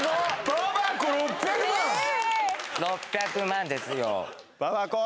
！？６００万ですよ